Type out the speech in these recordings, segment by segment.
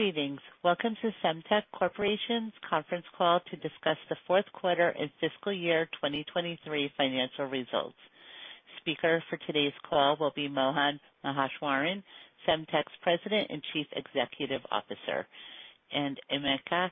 Greetings. Welcome to Semtech Corporation's conference call to discuss the Q4 and fiscal year 2023 financial results. Speaker for today's call will be Mohan Maheswaran, Semtech's President and Chief Executive Officer, and Emeka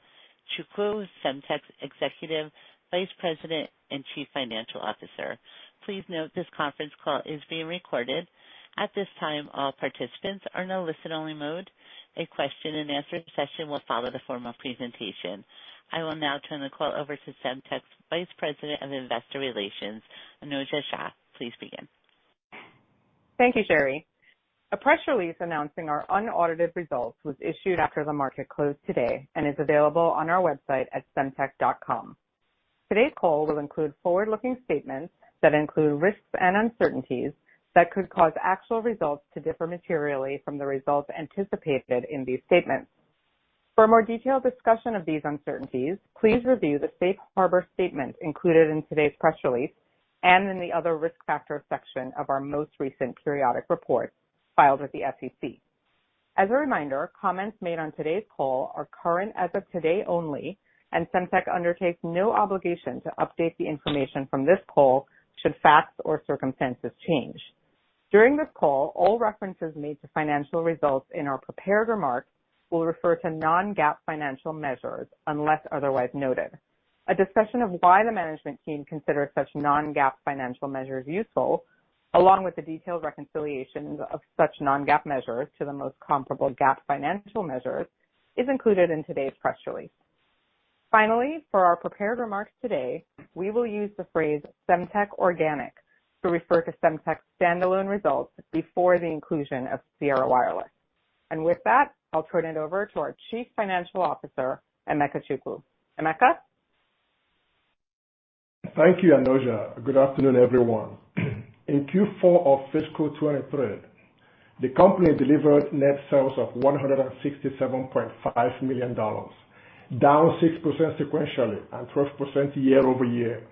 Chukwu, Semtech's Executive Vice President and Chief Financial Officer. Please note this conference call is being recorded. At this time, all participants are in a listen-only mode. A question and answer session will follow the formal presentation. I will now turn the call over to Semtech's Vice President of Investor Relations, Anojja Shah. Please begin. Thank you, Sherry. A press release announcing our unaudited results was issued after the market closed today and is available on our website at semtech.com. Today's call will include forward-looking statements that include risks and uncertainties that could cause actual results to differ materially from the results anticipated in these statements. For a more detailed discussion of these uncertainties, please review the safe harbor statement included in today's press release and in the Other Risk Factors section of our most recent periodic report filed with the SEC. As a reminder, comments made on today's call are current as of today only, Semtech undertakes no obligation to update the information from this call should facts or circumstances change. During this call, all references made to financial results in our prepared remarks will refer to non-GAAP financial measures unless otherwise noted. A discussion of why the management team considers such non-GAAP financial measures useful, along with the detailed reconciliations of such non-GAAP measures to the most comparable GAAP financial measures is included in today's press release. Finally, for our prepared remarks today, we will use the phrase Semtech Organic to refer to Semtech's standalone results before the inclusion of Sierra Wireless. With that, I'll turn it over to our Chief Financial Officer, Emeka Chukwu. Emeka? Thank you, Anojja. Good afternoon, everyone. In Q4 of fiscal 2023, the company delivered net sales of $167.5 million, down 6% sequentially and 12% year-over-year.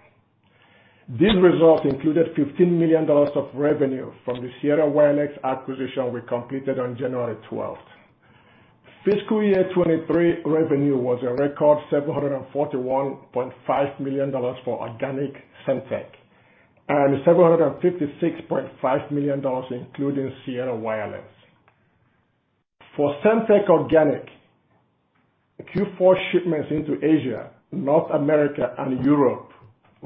These results included $15 million of revenue from the Sierra Wireless acquisition we completed on January 12th. Fiscal year 2023 revenue was a record $741.5 million for organic Semtech and $756.5 million including Sierra Wireless. For Semtech Organic, Q4 shipments into Asia, North America, and Europe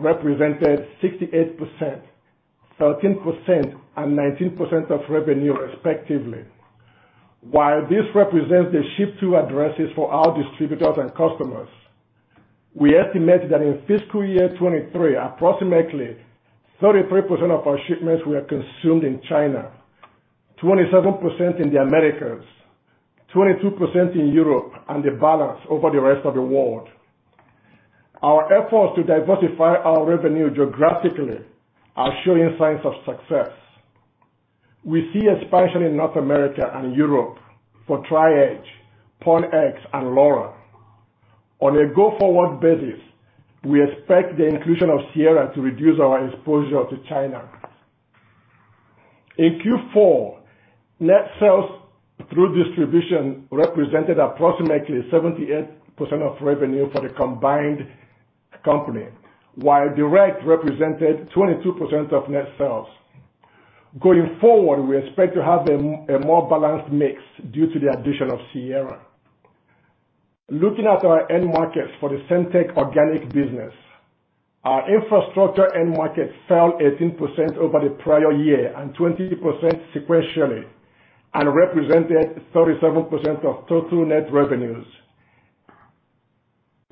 represented 68%, 13%, and 19% of revenue respectively. While this represents the ship to addresses for our distributors and customers, we estimate that in fiscal year 2023, approximately 33% of our shipments were consumed in China, 27% in the Americas, 22% in Europe, and the balance over the rest of the world. Our efforts to diversify our revenue geographically are showing signs of success. We see expansion in North America and Europe for Tri-Edge, PON-X, and LoRa. On a go-forward basis, we expect the inclusion of Sierra to reduce our exposure to China. In Q4, net sales through distribution represented approximately 78% of revenue for the combined company, while direct represented 22% of net sales. Going forward, we expect to have a more balanced mix due to the addition of Sierra. Looking at our end markets for the Semtech Organic business, our infrastructure end market fell 18% over the prior year and 20% sequentially, and represented 37% of total net revenues.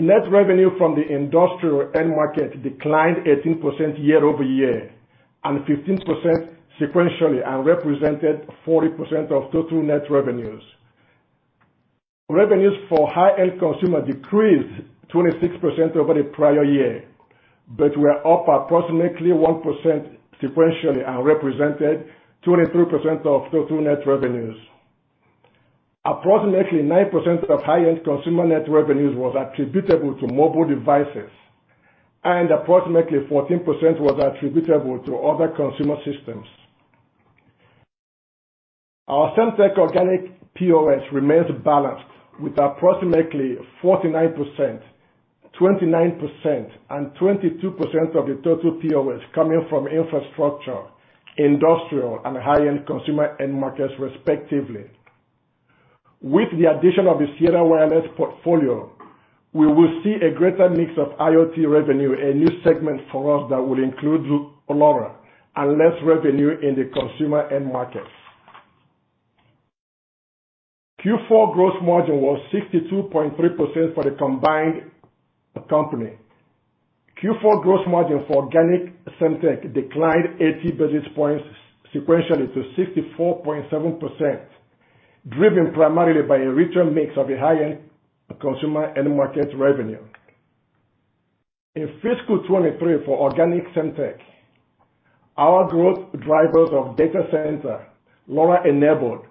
Net revenue from the industrial end market declined 18% year-over-year and 15% sequentially, and represented 40% of total net revenues. Revenues for high-end consumer decreased 26% over the prior year, but were up approximately 1% sequentially and represented 23% of total net revenues. Approximately 9% of high-end consumer net revenues was attributable to mobile devices and approximately 14% was attributable to other consumer systems. Our Semtech Organic POS remains balanced, with approximately 49%, 29%, and 22% of the total POS coming from infrastructure, industrial, and high-end consumer end markets respectively. With the addition of the Sierra Wireless portfolio, we will see a greater mix of IoT revenue, a new segment for us that will include LoRa and less revenue in the consumer end markets. Q4 gross margin was 62.3% for the combined company. Q4 gross margin for organic Semtech declined 80 basis points sequentially to 64.7%, driven primarily by a richer mix of the high-end consumer end market revenue. In fiscal 2023 for organic Semtech, our growth drivers of data center, LoRa-enabled,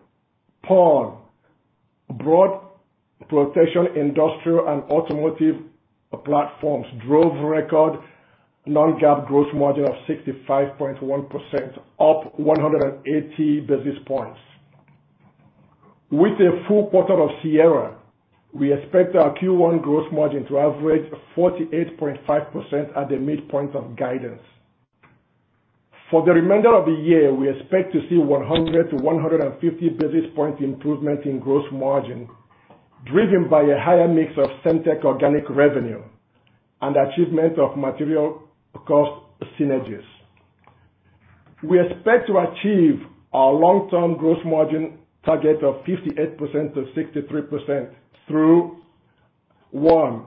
PON, Protection industrial and automotive platforms drove record non-GAAP growth margin of 65.1%, up 180 basis points. With a full quarter of Sierra, we expect our Q1 growth margin to average 48.5% at the midpoint of guidance. For the remainder of the year, we expect to see 100-150 basis point improvement in gross margin, driven by a higher mix of Semtech Organic revenue and achievement of material cost synergies. We expect to achieve our long-term growth margin target of 58%-63% through, one,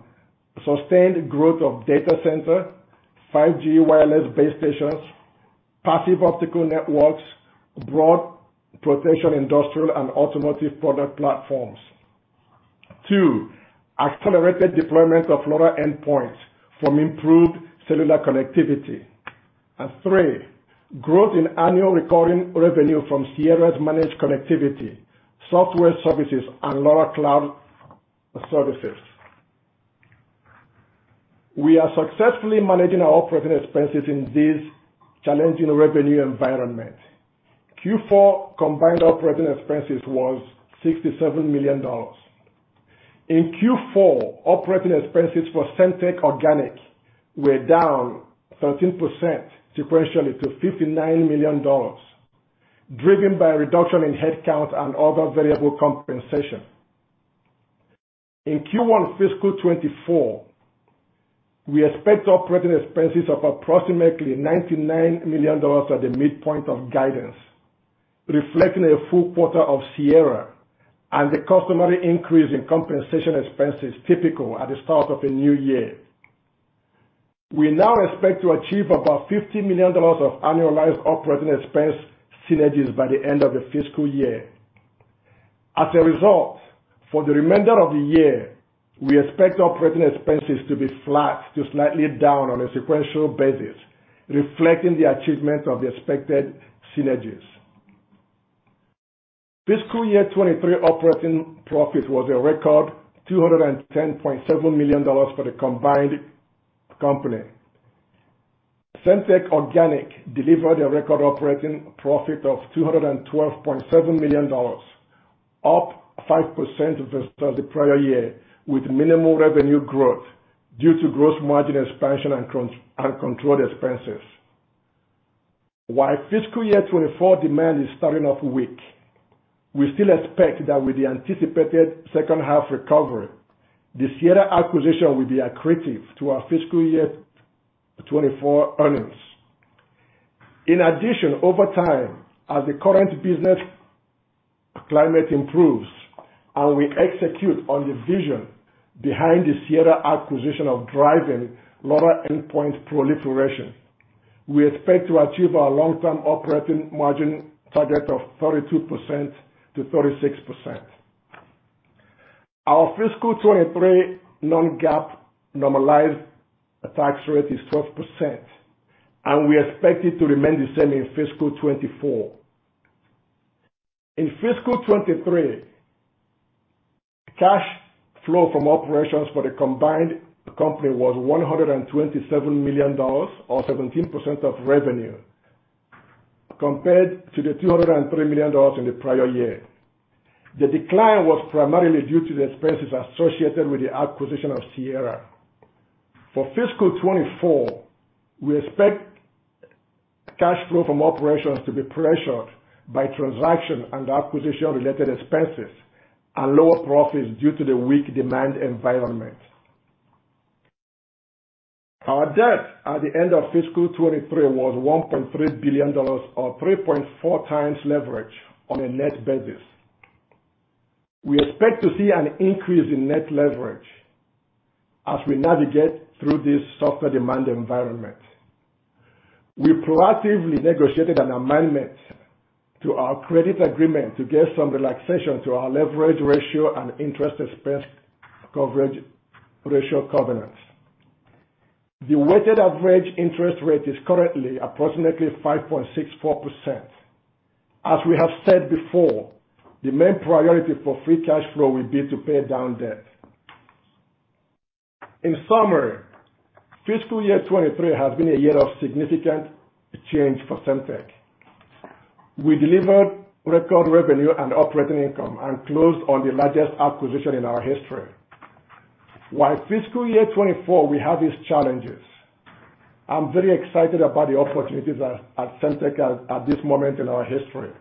sustained growth of data center, 5G wireless base stations, passive optical networks, broad protection industrial and automotive product platforms. Two, accelerated deployment of LoRa endpoints from improved cellular connectivity. Three, growth in annual recurring revenue from Sierra's managed connectivity, software services, and LoRa Cloud services. We are successfully managing our operating expenses in this challenging revenue environment. Q4 combined operating expenses was $67 million. In Q4, operating expenses for Semtech Organic were down 13% sequentially to $59 million, driven by a reduction in headcount and other variable compensation. In Q1 fiscal 2024, we expect operating expenses of approximately $99 million at the midpoint of guidance, reflecting a full quarter of Sierra and the customary increase in compensation expenses typical at the start of a new year. We now expect to achieve about $50 million of annualized operating expense synergies by the end of the fiscal year. For the remainder of the year, we expect operating expenses to be flat to slightly down on a sequential basis, reflecting the achievement of the expected synergies. Fiscal year 2023 operating profit was a record $210.7 million for the combined company. Semtech Organic delivered a record operating profit of $212.7 million, up 5% versus the prior year, with minimal revenue growth due to gross margin expansion and controlled expenses. While fiscal year 2024 demand is starting off weak, we still expect that with the anticipated second half recovery, the Sierra acquisition will be accretive to our fiscal year 2024 earnings. Over time, as the current business climate improves and we execute on the vision behind the Sierra acquisition of driving LoRa endpoint proliferation, we expect to achieve our long-term operating margin target of 32%-36%. Our fiscal 2023 non-GAAP normalized tax rate is 12%. We expect it to remain the same in fiscal 2024. In fiscal 2023, cash flow from operations for the combined company was $127 million or 17% of revenue, compared to the $203 million in the prior year. The decline was primarily due to the expenses associated with the acquisition of Sierra. For fiscal 2024, we expect cash flow from operations to be pressured by transaction and acquisition related expenses and lower profits due to the weak demand environment. Our debt at the end of fiscal 2023 was $1.3 billion or 3.4x leverage on a net basis. We expect to see an increase in net leverage as we navigate through this softer demand environment. We proactively negotiated an amendment to our credit agreement to get some relaxation to our leverage ratio and interest expense coverage ratio covenants. The weighted average interest rate is currently approximately 5.64%. As we have said before, the main priority for free cash flow will be to pay down debt. In summary, fiscal year 2023 has been a year of significant change for Semtech. We delivered record revenue and operating income and closed on the largest acquisition in our history. While fiscal year 2024 we have these challenges, I'm very excited about the opportunities at Semtech at this moment in our history.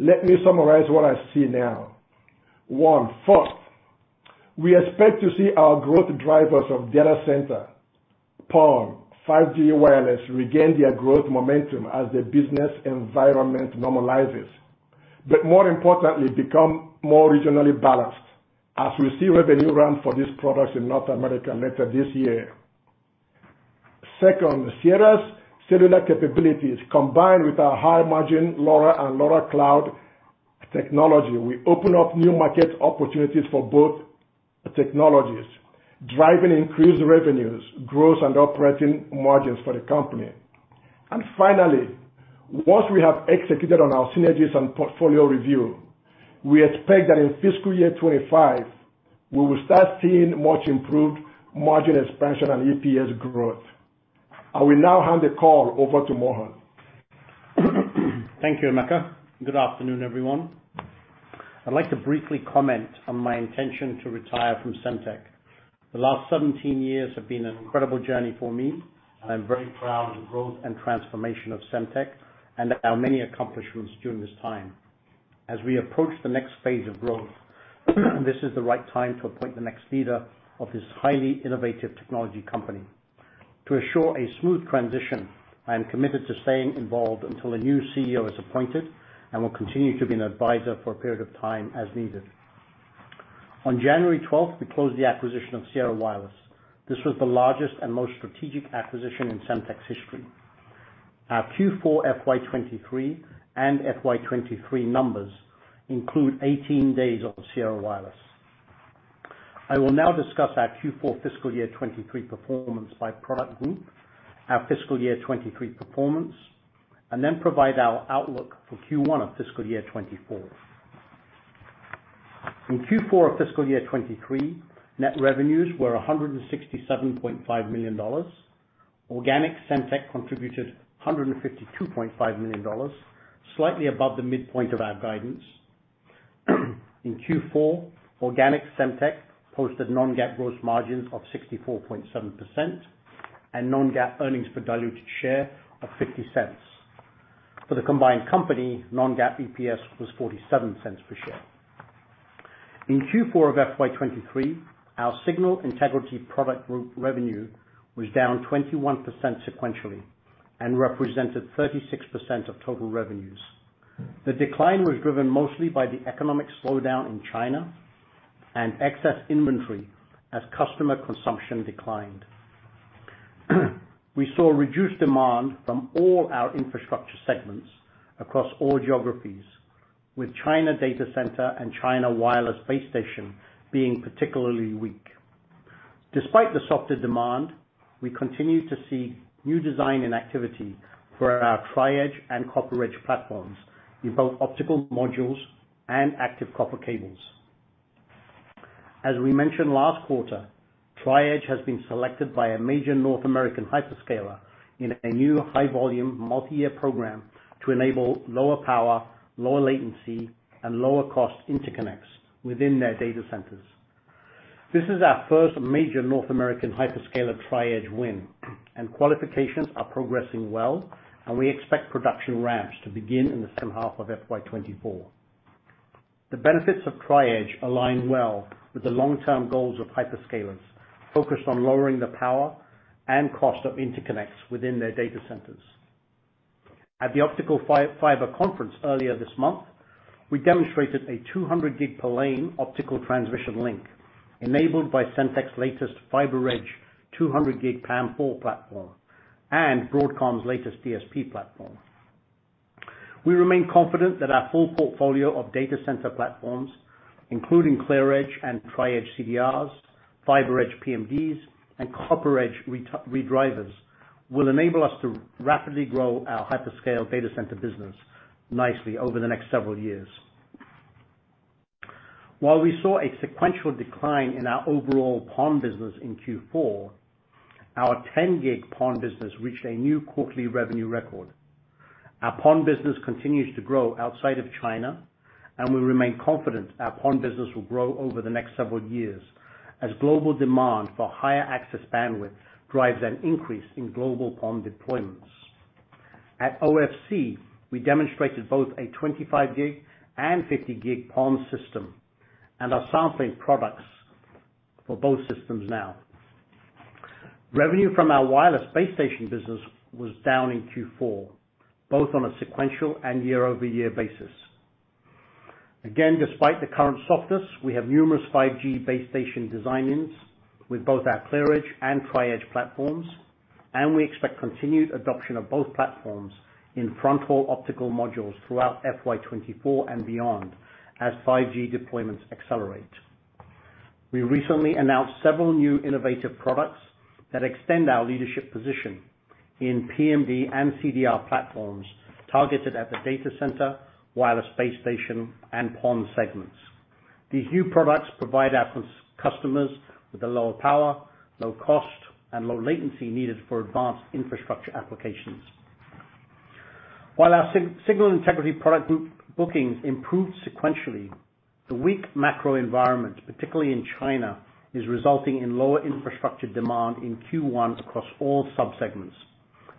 Let me summarize what I see now. First, we expect to see our growth drivers of data center, PON, 5G wireless regain their growth momentum as the business environment normalizes, but more importantly, become more regionally balanced as we see revenue ramp for these products in North America later this year. Second, Sierra's cellular capabilities, combined with our high-margin LoRa and LoRa Cloud technology, will open up new market opportunities for both technologies, driving increased revenues, growth and operating margins for the company. Finally, once we have executed on our synergies and portfolio review, we expect that in fiscal year 2025, we will start seeing much improved margin expansion and EPS growth. I will now hand the call over to Mohan. Thank you, Emeka. Good afternoon, everyone. I'd like to briefly comment on my intention to retire from Semtech. The last 17 years have been an incredible journey for me, and I'm very proud of the growth and transformation of Semtech and our many accomplishments during this time. As we approach the next phase of growth, this is the right time to appoint the next leader of this highly innovative technology company. To assure a smooth transition, I am committed to staying involved until a new CEO is appointed and will continue to be an advisor for a period of time as needed. On January 12th, we closed the acquisition of Sierra Wireless. This was the largest and most strategic acquisition in Semtech's history. Our Q4 FY 2023 and FY 2023 numbers include 18 days of Sierra Wireless. I will now discuss our Q4 fiscal year 2023 performance by product group, our fiscal year 2023 performance, and then provide our outlook for Q1 of fiscal year 2024. In Q4 of fiscal year 2023, net revenues were $167.5 million. Organic Semtech contributed $152.5 million, slightly above the midpoint of our guidance. In Q4, organic Semtech posted non-GAAP gross margins of 64.7% and non-GAAP earnings per diluted share of $0.50. For the combined company, non-GAAP EPS was $0.47 per share. In Q4 of FY 2023, our signal integrity product group revenue was down 21% sequentially and represented 36% of total revenues. The decline was driven mostly by the economic slowdown in China and excess inventory as customer consumption declined. We saw reduced demand from all our infrastructure segments across all geographies, with China data center and China wireless base station being particularly weak. Despite the softer demand, we continue to see new design and activity for our Tri-Edge and CopperEdge platforms in both optical modules and active copper cables. As we mentioned last quarter, Tri-Edge has been selected by a major North American hyperscaler in a new high-volume multi-year program to enable lower power, lower latency, and lower cost interconnects within their data centers. This is our first major North American hyperscaler Tri-Edge win, and qualifications are progressing well, and we expect production ramps to begin in the second half of FY 2024. The benefits of Tri-Edge align well with the long-term goals of hyperscalers, focused on lowering the power and cost of interconnects within their data centers. At the Optical Fiber Conference earlier this month, we demonstrated a 200 gig per lane optical transmission link enabled by Semtech's latest FiberEdge 200 gig PAM4 platform and Broadcom's latest DSP platform. We remain confident that our full portfolio of data center platforms, including ClearEdge and Tri-Edge CDRs, FiberEdge PMDs, and CopperEdge redrivers, will enable us to rapidly grow our hyperscale data center business nicely over the next several years. While we saw a sequential decline in our overall PON business in Q4, our 10 gig PON business reached a new quarterly revenue record. Our PON business continues to grow outside of China, and we remain confident our PON business will grow over the next several years as global demand for higher access bandwidth drives an increase in global PON deployments. At OFC, we demonstrated both a 25 gig and 50 gig PON system and are sampling products for both systems now. Revenue from our wireless base station business was down in Q4, both on a sequential and year-over-year basis. Despite the current softness, we have numerous 5G base station design-ins with both our ClearEdge and Tri-Edge platforms, and we expect continued adoption of both platforms in front hall optical modules throughout FY 2024 and beyond as 5G deployments accelerate. We recently announced several new innovative products that extend our leadership position in PMD and CDR platforms targeted at the data center, wireless base station, and PON segments. These new products provide our customers with the lower power, low cost, and low latency needed for advanced infrastructure applications. While our signal integrity product group bookings improved sequentially, the weak macro environment, particularly in China, is resulting in lower infrastructure demand in Q1 across all subsegments.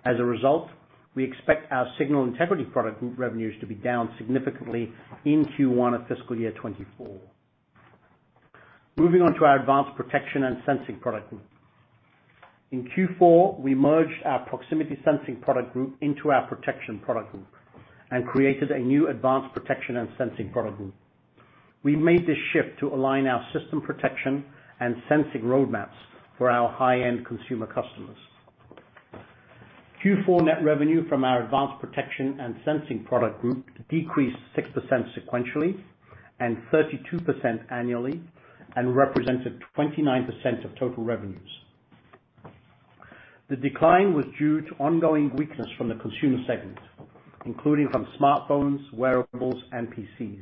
As a result, we expect our signal integrity product group revenues to be down significantly in Q1 of fiscal year 2024. Moving on to our Advanced Protection and Sensing product group. In Q4, we merged our Proximity Sensing product group into our Protection product group and created a new Advanced Protection and Sensing product group. We made this shift to align our system protection and sensing roadmaps for our high-end consumer customers. Q4 net revenue from our Advanced Protection and Sensing product group decreased 6% sequentially, 32% annually and represented 29% of total revenues. The decline was due to ongoing weakness from the consumer segment, including from smartphones, wearables, and PCs.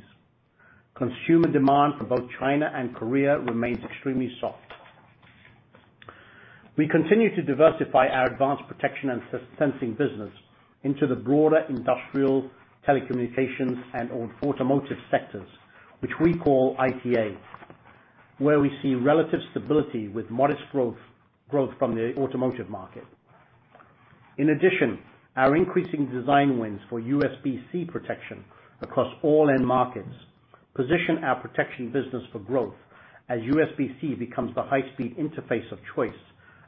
Consumer demand for both China and Korea remains extremely soft. We continue to diversify our advanced protection and sensing business into the broader industrial telecommunications and automotive sectors, which we call ITA, where we see relative stability with modest growth from the automotive market. Our increasing design wins for USB-C Protection across all end markets position our protection business for growth as USB-C becomes the high-speed interface of choice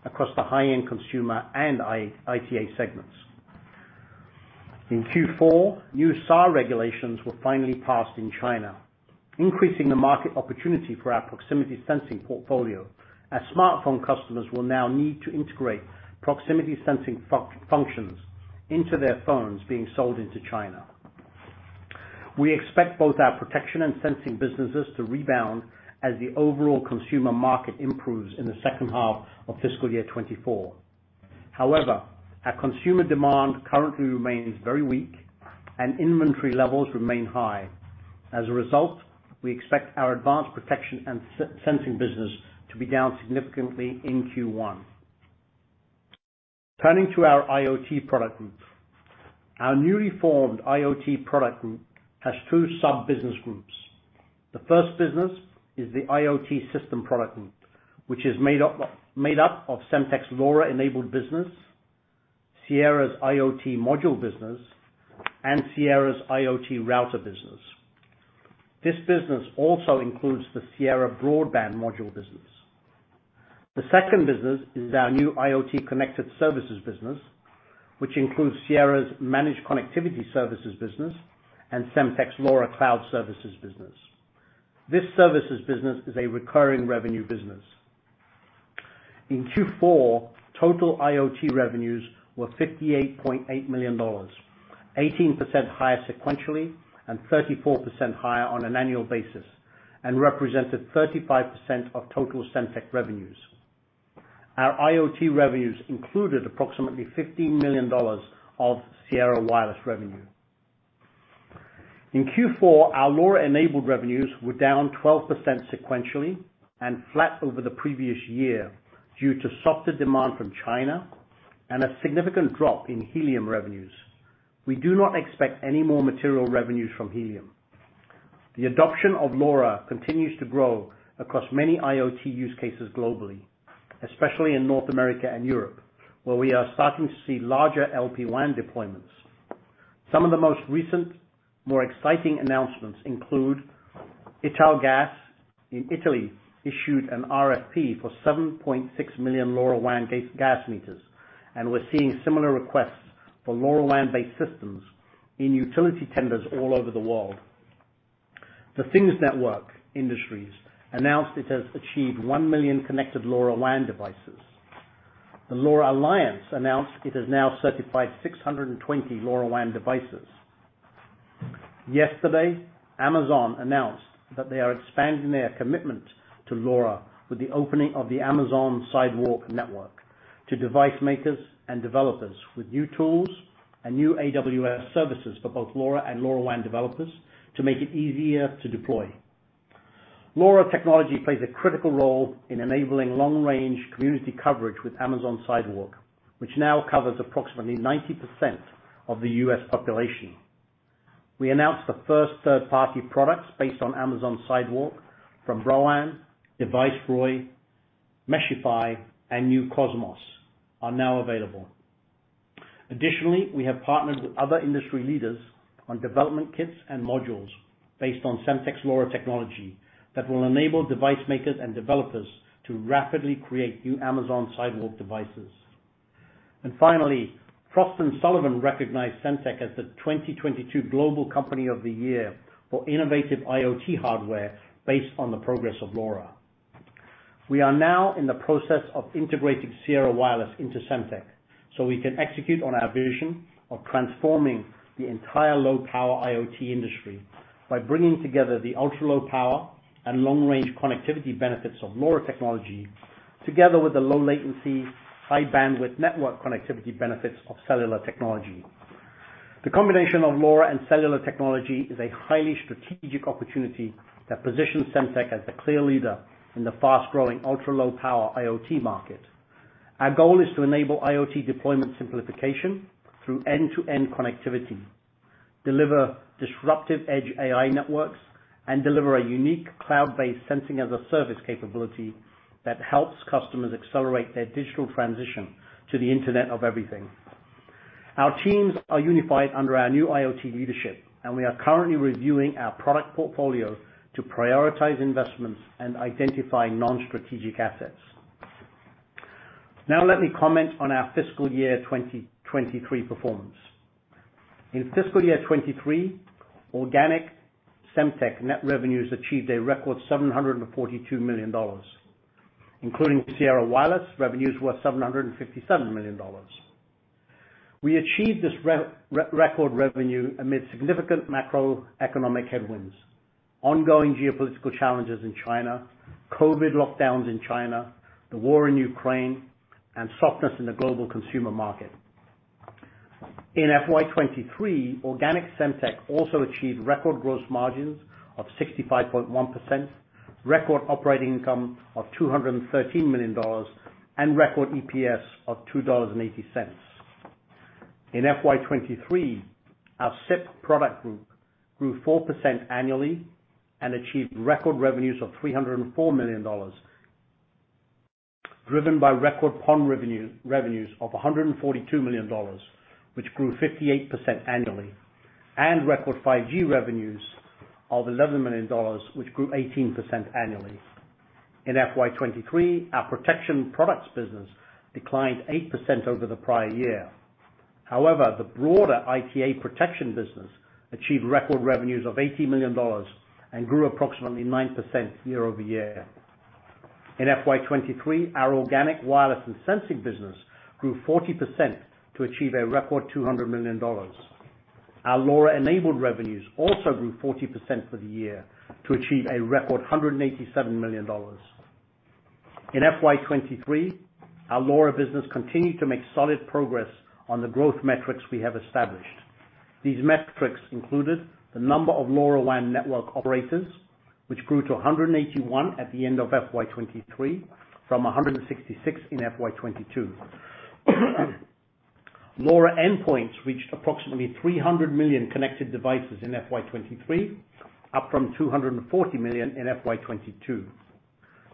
across the high-end consumer and ITA segments. In Q4, new SAR regulations were finally passed in China, increasing the market opportunity for our proximity sensing portfolio as smartphone customers will now need to integrate proximity sensing functions into their phones being sold into China. We expect both our protection and sensing businesses to rebound as the overall consumer market improves in the second half of fiscal year 2024. However, our consumer demand currently remains very weak and inventory levels remain high. As a result, we expect our advanced protection and sensing business to be down significantly in Q1. Turning to our IoT product group. Our newly formed IoT product group has two sub-business groups. The first business is the IoT system product group, which is made up of Semtech's LoRa-enabled business, Sierra's IoT module business, and Sierra's IoT router business. This business also includes the Sierra broadband module business. The second business is our new IoT connected services business, which includes Sierra's managed connectivity services business and Semtech's LoRa Cloud services business. This services business is a recurring revenue business. In Q4, total IoT revenues were $58.8 million, 18% higher sequentially and 34% higher on an annual basis, and represented 35% of total Semtech revenues. Our IoT revenues included approximately $15 million of Sierra Wireless revenue. In Q4, our LoRa-enabled revenues were down 12% sequentially and flat over the previous year due to softer demand from China and a significant drop in Helium revenues. We do not expect any more material revenues from Helium. The adoption of LoRa continues to grow across many IoT use cases globally, especially in North America and Europe, where we are starting to see larger LPWAN deployments. Some of the most recent, more exciting announcements include Italgas in Italy issued an RFP for $7.6 million LoRaWAN gas meters. We're seeing similar requests for LoRaWAN-based systems in utility tenders all over the world. The Things Industries announced it has achieved 1 million connected LoRaWAN devices. The LoRa Alliance announced it has now certified 620 LoRaWAN devices. Yesterday, Amazon announced that they are expanding their commitment to LoRa with the opening of the Amazon Sidewalk network to device makers and developers with new tools and new AWS services for both LoRa and LoRaWAN developers to make it easier to deploy. LoRa technology plays a critical role in enabling long-range community coverage with Amazon Sidewalk, which now covers approximately 90% of the U.S. population. We announced the first third-party products based on Amazon Sidewalk from Browan, Deviceroy, Meshify, and New Cosmos are now available. Additionally, we have partnered with other industry leaders on development kits and modules based on Semtech's LoRa technology that will enable device makers and developers to rapidly create new Amazon Sidewalk devices. Finally, Frost & Sullivan recognized Semtech as the 2022 Global Company of the Year for innovative IoT hardware based on the progress of LoRa. We are now in the process of integrating Sierra Wireless into Semtech, so we can execute on our vision of transforming the entire low-power IoT industry by bringing together the ultra-low power and long-range connectivity benefits of LoRa technology, together with the low latency, high bandwidth network connectivity benefits of cellular technology. The combination of LoRa and cellular technology is a highly strategic opportunity that positions Semtech as the clear leader in the fast-growing, ultra-low power IoT market. Our goal is to enable IoT deployment simplification through end-to-end connectivity, deliver disruptive Edge AI networks, and deliver a unique cloud-based Sensing as a Service capability that helps customers accelerate their digital transition to the Internet of Everything. Our teams are unified under our new IoT leadership, and we are currently reviewing our product portfolio to prioritize investments and identify non-strategic assets. Now, let me comment on our fiscal year 2023 performance. In fiscal year 2023, organic Semtech net revenues achieved a record $742 million. Including Sierra Wireless, revenues were $757 million. We achieved this record revenue amid significant macroeconomic headwinds, ongoing geopolitical challenges in China, COVID lockdowns in China, the war in Ukraine, and softness in the global consumer market. In FY 2023, organic Semtech also achieved record gross margins of 65.1%, record operating income of $213 million, and record EPS of $2.80. In FY 2023, our SIP product group grew 4% annually and achieved record revenues of $304 million, driven by record PON revenue, revenues of $142 million, which grew 58% annually, and record 5G revenues of $11 million, which grew 18% annually. In FY 2023, our protection products business declined 8% over the prior year. The broader ITA protection business achieved record revenues of $80 million and grew approximately 9% year-over-year. In FY 2023, our organic wireless and sensing business grew 40% to achieve a record $200 million. Our LoRa-enabled revenues also grew 40% for the year to achieve a record $187 million. In FY 2023, our LoRa business continued to make solid progress on the growth metrics we have established. These metrics included the number of LoRaWAN network operators, which grew to 181 at the end of FY 2023 from 166 in FY 2022. LoRa endpoints reached approximately 300,000,000 connected devices in FY 2023, up from 240,000,000 in FY 2022.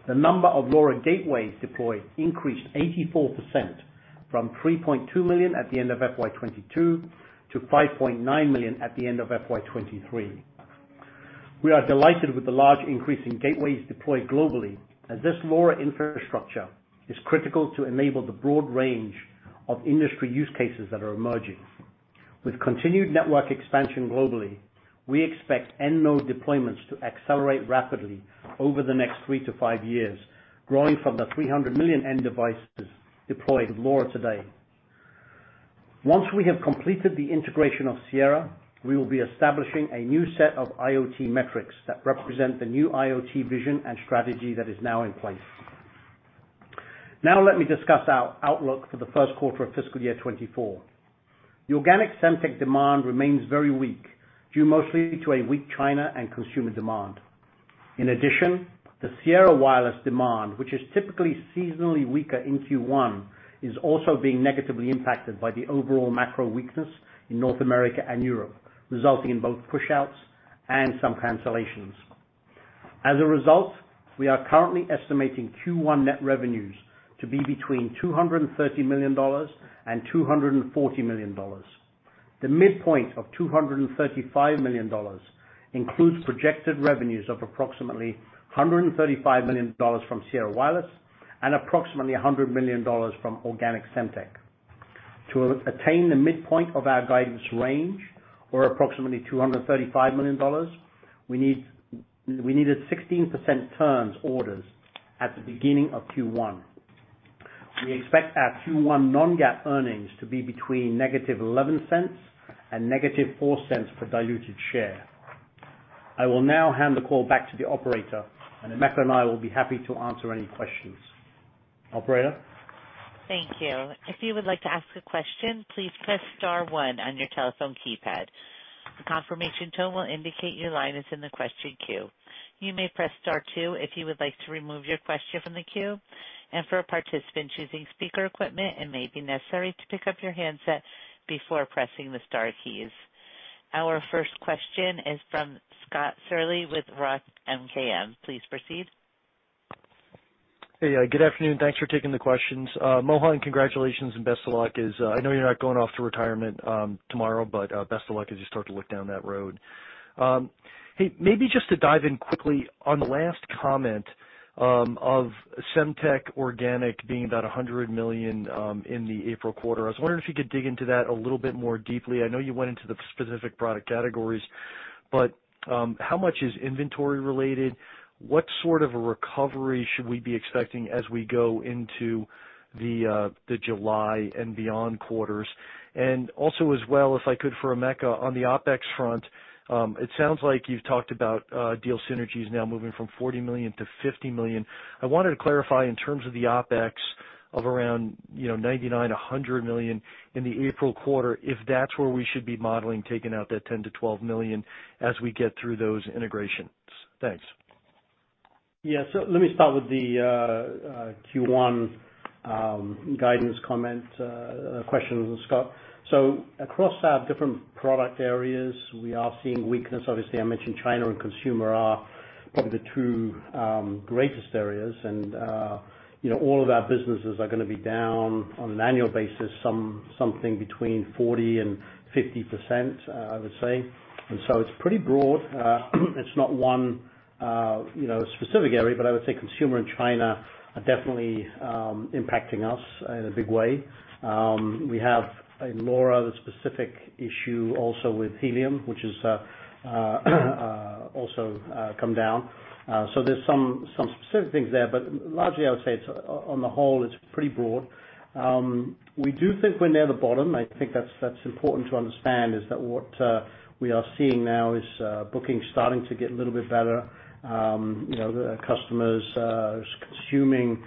The number of LoRa gateways deployed increased 84% from 3.200,000 at the end of FY 2022 to 5.900,000 at the end of FY 2023. We are delighted with the large increase in gateways deployed globally as this LoRa infrastructure is critical to enable the broad range of industry use cases that are emerging. With continued network expansion globally, we expect end node deployments to accelerate rapidly over the next three to five years, growing from the 300,000,000 end devices deployed with LoRa today. Once we have completed the integration of Sierra, we will be establishing a new set of IoT metrics that represent the new IoT vision and strategy that is now in place. Now let me discuss our outlook for the first quarter of fiscal year 2024. The organic Semtech demand remains very weak, due mostly to a weak China and consumer demand. The Sierra Wireless demand, which is typically seasonally weaker in Q1, is also being negatively impacted by the overall macro weakness in North America and Europe, resulting in both pushouts and some cancellations. We are currently estimating Q1 net revenues to be between $230 million and $240 million. The midpoint of $235 million includes projected revenues of approximately $135 million from Sierra Wireless and approximately $100 million from organic Semtech. To attain the midpoint of our guidance range, or approximately $235 million, we needed 16% turns orders at the beginning of Q1. We expect our Q1 non-GAAP earnings to be between -$0.11 and -$0.04 per diluted share. I will now hand the call back to the operator, and Emeka and I will be happy to answer any questions. Operator? Thank you. If you would like to ask a question, please press star one on your telephone keypad. The confirmation tone will indicate your line is in the question queue. You may press star two if you would like to remove your question from the queue. For a participant choosing speaker equipment, it may be necessary to pick up your handset before pressing the star keys. Our first question is from Scott Searle with ROTH MKM. Please proceed. Hey, good afternoon. Thanks for taking the questions. Mohan, congratulations and best of luck as I know you're not going off to retirement tomorrow, but best of luck as you start to look down that road. Hey, maybe just to dive in quickly on the last comment of Semtech Organic being about $100 million in the April quarter. I was wondering if you could dig into that a little bit more deeply. I know you went into the specific product categories, but how much is inventory related? What sort of a recovery should we be expecting as we go into the July and beyond quarters? Also as well, if I could for Emeka on the OpEx front, it sounds like you've talked about deal synergies now moving from $40 million-$50 million. I wanted to clarify in terms of the OpEx of around, you know, $99 million-$100 million in the April quarter, if that's where we should be modeling, taking out that $10 million-$12 million as we get through those integrations. Thanks. Yeah. Let me start with the Q1 guidance comment question, Scott. Across our different product areas, we are seeing weakness. Obviously, I mentioned China and Consumer are probably the two greatest areas. You know, all of our businesses are gonna be down on an annual basis, something between 40% and 50%, I would say. It's pretty broad. It's not one, you know, specific area, but I would say Consumer and China are definitely impacting us in a big way. We have a LoRa specific issue also with Helium, which is also come down. There's some specific things there, but largely I would say it's, on the whole, it's pretty broad. We do think we're near the bottom. I think that's important to understand is that what we are seeing now is booking starting to get a little bit better. You know, the customers consuming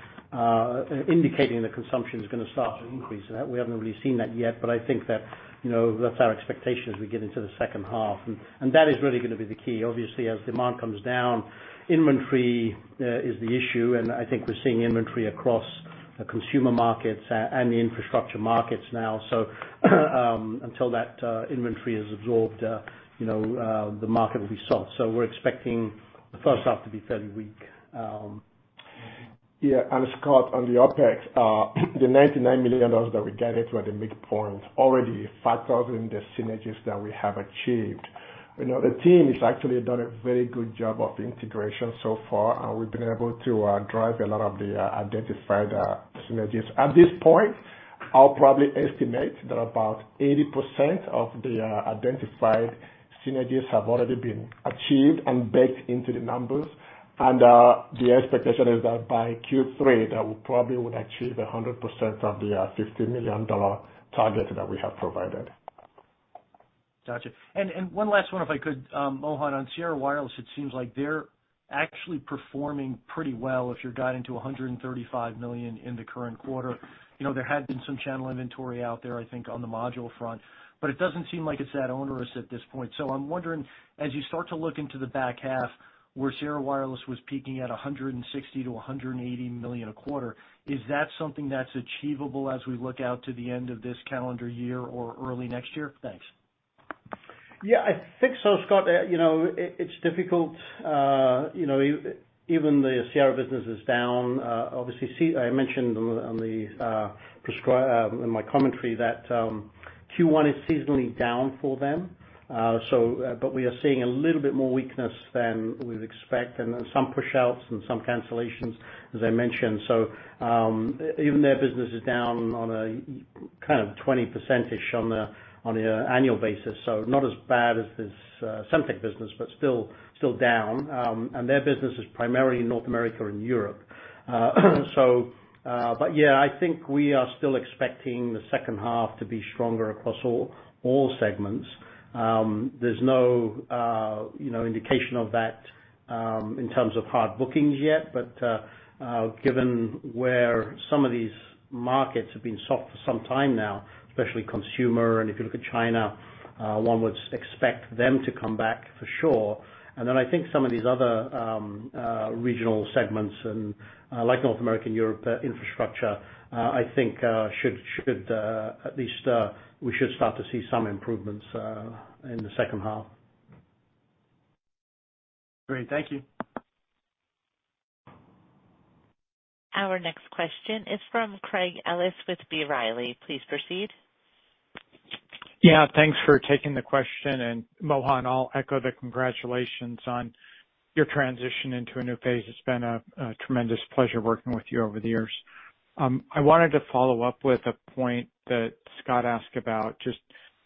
indicating the consumption is gonna start to increase. We haven't really seen that yet, but I think that. You know, that's our expectation as we get into the second half. That is really gonna be the key. Obviously, as demand comes down, inventory is the issue, and I think we're seeing inventory across the consumer markets and the infrastructure markets now. Until that inventory is absorbed, you know, the market will be soft. We're expecting the first half to be fairly weak. Yeah, and Scott, on the OpEx, the $99 million that we guided for the midpoint already factors in the synergies that we have achieved. You know, the team has actually done a very good job of integration so far, and we've been able to drive a lot of the identified synergies. At this point, I'll probably estimate that about 80% of the identified synergies have already been achieved and baked into the numbers. The expectation is that by Q3, that we probably would achieve 100% of the $50 million target that we have provided. Gotcha. One last one, if I could, Mohan, on Sierra Wireless, it seems like they're actually performing pretty well if you're guiding to $135 million in the current quarter. You know, there had been some channel inventory out there, I think, on the module front, but it doesn't seem like it's that onerous at this point. I'm wondering, as you start to look into the back half, where Sierra Wireless was peaking at $160 million-$180 million a quarter, is that something that's achievable as we look out to the end of this calendar year or early next year? Thanks. Yeah, I think so, Scott. You know, it's difficult. You know, even the Sierra business is down. Obviously, I mentioned on the, on the, in my commentary that Q1 is seasonally down for them. We are seeing a little bit more weakness than we'd expect and some pushouts and some cancellations, as I mentioned. Even their business is down on a kind of 20%-ish on an annual basis. Not as bad as this Semtech business, but still down. Their business is primarily in North America and Europe. Yeah, I think we are still expecting the second half to be stronger across all segments. There's no, you know, indication of that, in terms of hard bookings yet, but given where some of these markets have been soft for some time now, especially consumer, and if you look at China, one would expect them to come back for sure. I think some of these other regional segments and like North America and Europe infrastructure, I think should, at least, we should start to see some improvements in the second half. Great. Thank you. Our next question is from Craig Ellis with B. Riley. Please proceed. Thanks for taking the question. Mohan, I'll echo the congratulations on your transition into a new phase. It's been a tremendous pleasure working with you over the years. I wanted to follow up with a point that Scott asked about just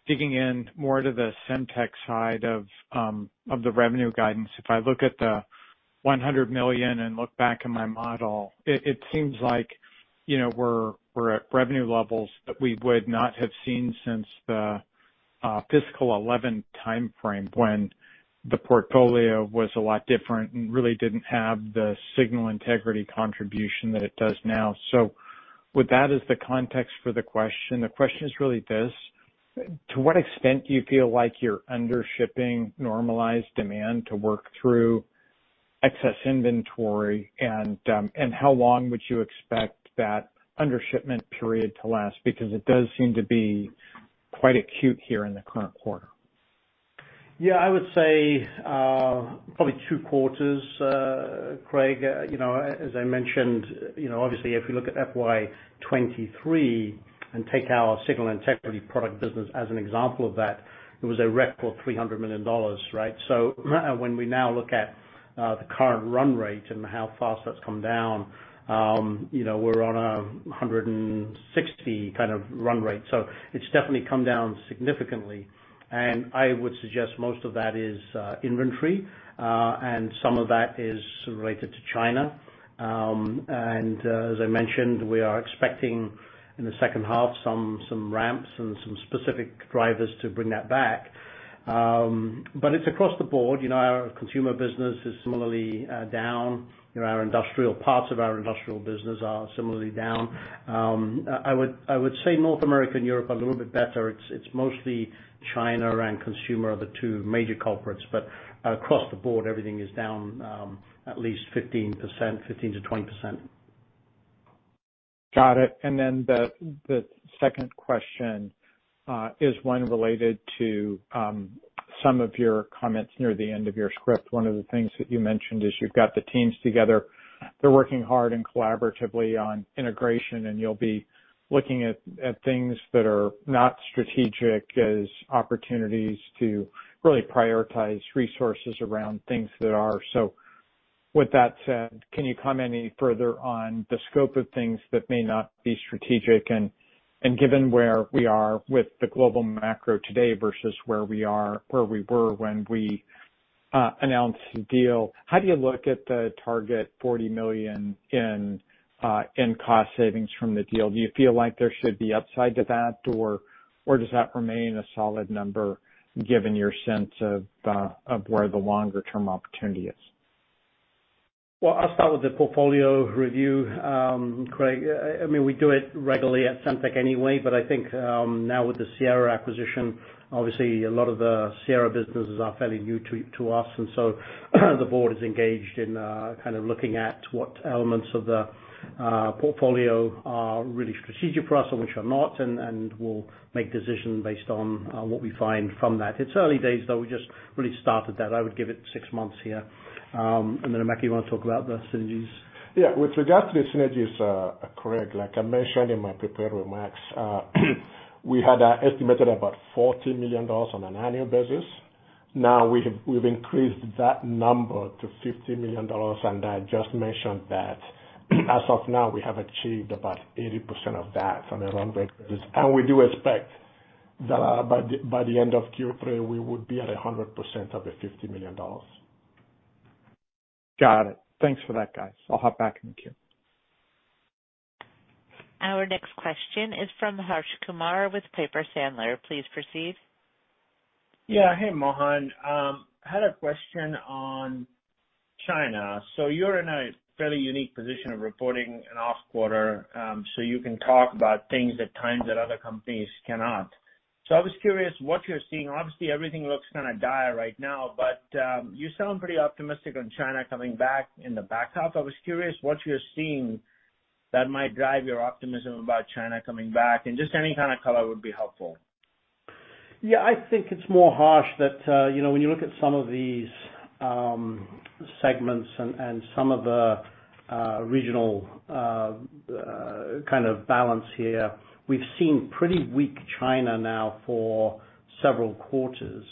digging in more to the Semtech side of the revenue guidance. If I look at the $100 million and look back in my model, it seems like, you know, we're at revenue levels that we would not have seen since the fiscal 2011 timeframe, when the portfolio was a lot different and really didn't have the signal integrity contribution that it does now. With that as the context for the question, the question is really this: To what extent do you feel like you're under shipping normalized demand to work through excess inventory? How long would you expect that under shipment period to last? Because it does seem to be quite acute here in the current quarter. Yeah, I would say, probably two quarters, Craig. You know, as I mentioned, you know, obviously if we look at FY 2023 and take our signal integrity product business as an example of that, it was a record $300 million, right? When we now look at the current run rate and how fast that's come down, you know, we're on a $160 kind of run rate. It's definitely come down significantly. I would suggest most of that is inventory and some of that is related to China. As I mentioned, we are expecting in the second half some ramps and some specific drivers to bring that back. It's across the board. You know, our consumer business is similarly down. You know, our industrial, parts of our industrial business are similarly down. I would say North America and Europe are a little bit better. It's mostly China and consumer are the two major culprits. Across the board everything is down, at least 15%, 15%-20%. Got it. The second question is one related to some of your comments near the end of your script. One of the things that you mentioned is you've got the teams together. They're working hard and collaboratively on integration, and you'll be looking at things that are not strategic as opportunities to really prioritize resources around things that are. With that said, can you comment any further on the scope of things that may not be strategic? Given where we are with the global macro today versus where we were when we announced the deal, how do you look at the target $40 million in cost savings from the deal? Do you feel like there should be upside to that or does that remain a solid number given your sense of where the longer term opportunity is? Well, I'll start with the portfolio review, Craig. I mean, we do it regularly at Semtech anyway, but I think now with the Sierra acquisition, obviously a lot of the Sierra businesses are fairly new to us. The board is engaged in kind of looking at what elements of the portfolio are really strategic for us or which are not, and we'll make decisions based on what we find from that. It's early days though. We just really started that. I would give it six months here. Then, Emeka, you wanna talk about the synergies? Yeah. With regards to the synergies, Craig, like I mentioned in my prepared remarks, we had estimated about $40 million on an annual basis. Now we've increased that number to $50 million, and I just mentioned that as of now, we have achieved about 80% of that on a run rate basis. We do expect that by the end of Q3, we would be at 100% of the $50 million. Got it. Thanks for that, guys. I'll hop back in the queue. Our next question is from Harsh Kumar with Piper Sandler. Please proceed. Yeah. Hey, Mohan. Had a question on China. You're in a fairly unique position of reporting an off quarter, you can talk about things at times that other companies cannot. I was curious what you're seeing. Obviously, everything looks kind of dire right now, you sound pretty optimistic on China coming back in the back half. I was curious what you're seeing that might drive your optimism about China coming back, and just any kind of color would be helpful. Yeah. I think it's more, Harsh, that, you know, when you look at some of these, segments and some of the, regional, kind of balance here, we've seen pretty weak China now for several quarters.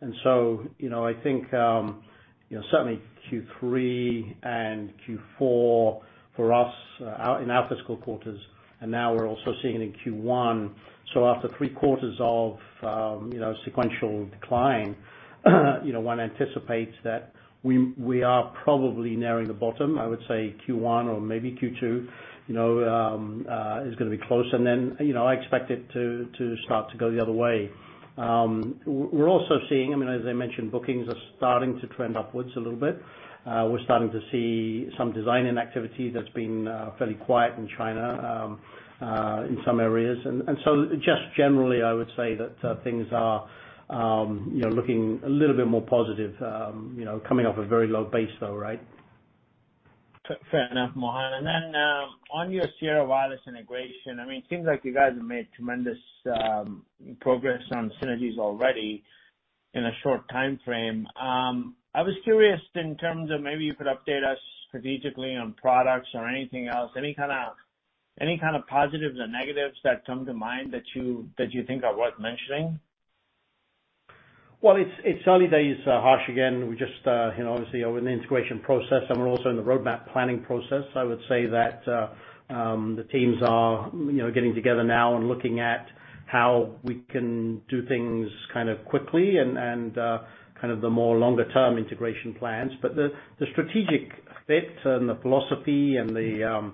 You know, I think, you know, certainly Q3 and Q4 for us, in our fiscal quarters, and now we're also seeing it in Q1. After three quarters of, you know, sequential decline, you know, one anticipates that we are probably nearing the bottom. I would say Q1 or maybe Q2, you know, is gonna be close. Then, you know, I expect it to start to go the other way. We're also seeing, I mean, as I mentioned, bookings are starting to trend upwards a little bit. We're starting to see some design-in activity that's been fairly quiet in China, in some areas. Just generally, I would say that things are, you know, looking a little bit more positive, you know, coming off a very low base though, right? Fair enough, Mohan. On your Sierra Wireless integration, I mean, it seems like you guys have made tremendous progress on synergies already in a short timeframe. I was curious in terms of maybe you could update us strategically on products or anything else. Any kind of positives or negatives that come to mind that you, that you think are worth mentioning? Well, it's early days, Harsh. Again, we just, you know, obviously are in the integration process, and we're also in the roadmap planning process. I would say that the teams are, you know, getting together now and looking at how we can do things kind of quickly and kind of the more longer term integration plans. The strategic fit and the philosophy and the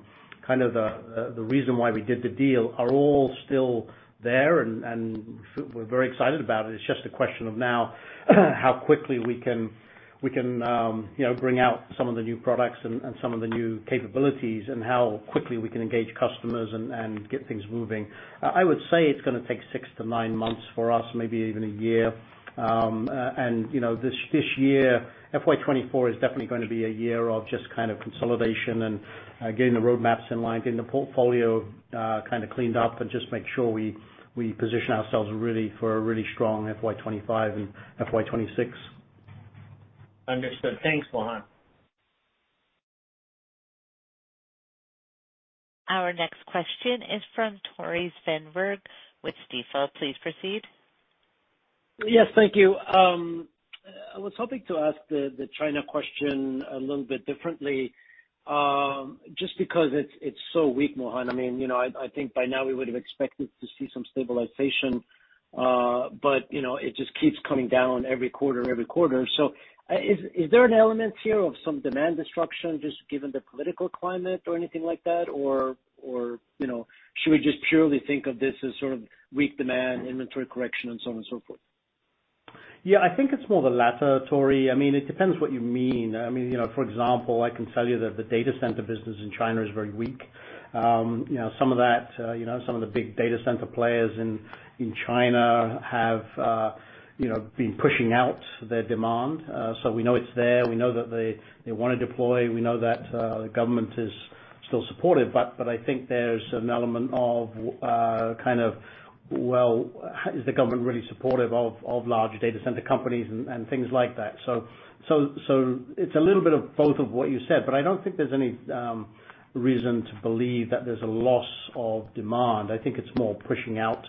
kind of the reason why we did the deal are all still there, and we're very excited about it. It's just a question of now how quickly we can, you know, bring out some of the new products and some of the new capabilities and how quickly we can engage customers and get things moving. I would say it's gonna take six to nine months for us, maybe even a year. you know, this year, FY 2024 is definitely gonna be a year of just kind of consolidation and getting the roadmaps in line, getting the portfolio, kind of cleaned up and just make sure we position ourselves really for a really strong FY 2025 and FY 2026. Understood. Thanks, Mohan. Our next question is from Tore Svanberg with Stifel. Please proceed. Yes. Thank you. I was hoping to ask the China question a little bit differently, just because it's so weak, Mohan. I mean, you know, I think by now we would have expected to see some stabilization, you know, it just keeps coming down every quarter, every quarter. Is there an element here of some demand destruction just given the political climate or anything like that? Or, you know, should we just purely think of this as sort of weak demand, inventory correction and so on and so forth? I think it's more the latter, Tore. I mean, it depends what you mean. I mean, you know, for example, I can tell you that the data center business in China is very weak. You know, some of that, you know, some of the big data center players in China have, you know, been pushing out their demand. We know it's there. We know that they wanna deploy. We know that the government is still supportive, but I think there's an element of kind of, well, is the government really supportive of large data center companies and things like that. So it's a little bit of both of what you said, but I don't think there's any reason to believe that there's a loss of demand. I think it's more pushing out,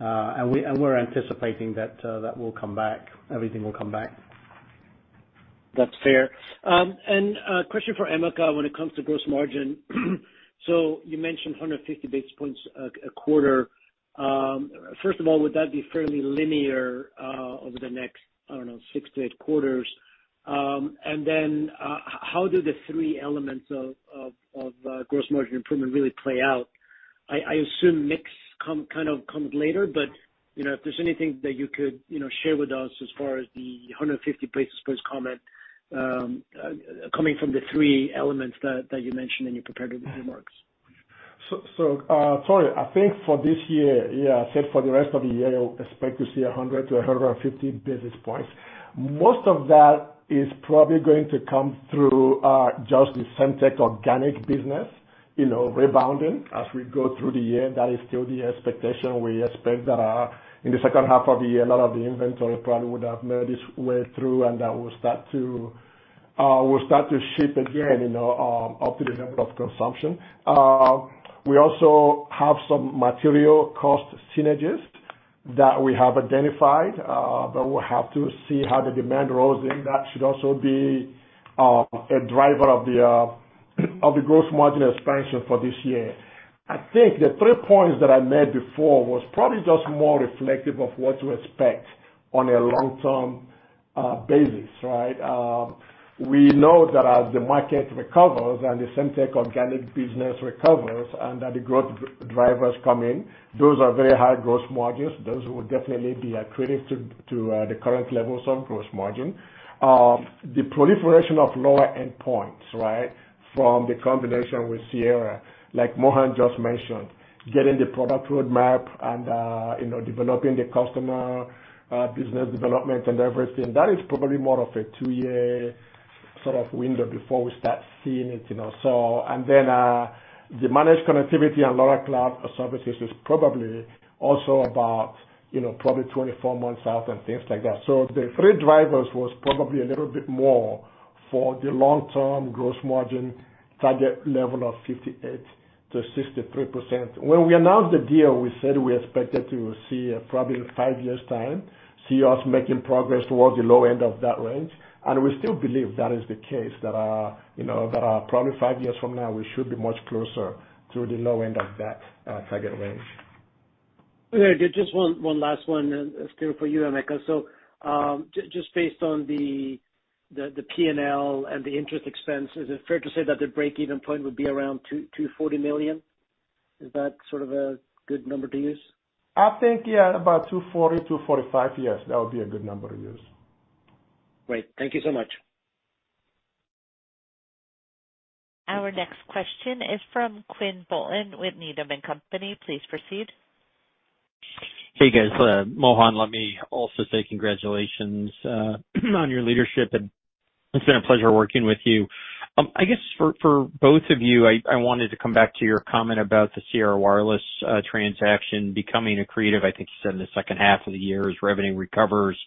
and we're anticipating that will come back. Everything will come back. That's fair. A question for Emeka when it comes to gross margin. You mentioned 150 basis points a quarter. First of all, would that be fairly linear over the next, I don't know, six to eight quarters? Then, how do the three elements of gross margin improvement really play out? I assume mix kind of come later, but, you know, if there's anything that you could, you know, share with us as far as the 150 basis points comment, coming from the three elements that you mentioned in your prepared remarks. Tore. I think for this year, yeah, I said for the rest of the year, expect to see 100-150 basis points. Most of that is probably going to come through, just the Semtech Organic business, you know, rebounding as we go through the year. That is still the expectation. We expect that, in the second half of the year, a lot of the inventory probably would have made its way through, that will start to, we'll start to ship again, you know, up to the level of consumption. We also have some material cost synergies that we have identified, we'll have to see how the demand rolls in. That should also be, a driver of the, of the gross margin expansion for this year. I think the three points that I made before was probably just more reflective of what to expect on a long-term basis, right? We know that as the market recovers and the Semtech Organic business recovers and that the growth drivers come in, those are very high growth margins. Those will definitely be accretive to the current levels of gross margin. The proliferation of lower endpoints, right, from the combination with Sierra, like Mohan just mentioned, getting the product roadmap and, you know, developing the customer business development and everything, that is probably more of a two year sort of window before we start seeing it, you know. Then the managed connectivity and LoRa Cloud services is probably also about, you know, probably 24 months out and things like that. The three drivers was probably a little bit more for the long-term gross margin target level of 58%-63%. When we announced the deal, we said we expected to see probably in five years' time, see us making progress towards the low end of that range, and we still believe that is the case, that, you know, that, probably five years from now, we should be much closer to the low end of that target range. Okay. Just one last one, still for you, Emeka. Just based on the P&L and the interest expense, is it fair to say that the break-even point would be around $240 million? Is that sort of a good number to use? I think, yeah, about 240, 245. That would be a good number to use. Great. Thank you so much. Our next question is from Quinn Bolton with Needham and Company. Please proceed. Hey, guys. Mohan, let me also say congratulations, on your leadership, and it's been a pleasure working with you. I guess for both of you, I wanted to come back to your comment about the Sierra Wireless transaction becoming accretive, I think you said in the second half of the year as revenue recovers.